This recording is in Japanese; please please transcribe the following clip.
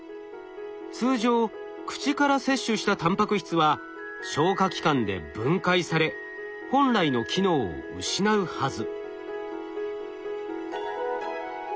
通常口から摂取したタンパク質は消化器官で分解され本来の機能を失うはず。